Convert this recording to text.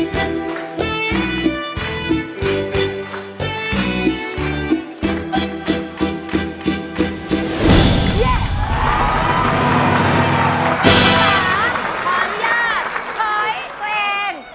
ขออนุญาตถอยตัวเอง